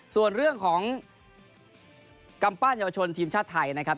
ส่วนเรื่องของกำปั้นเยาวชนทีมชาติไทยนะครับ